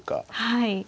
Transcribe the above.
はい。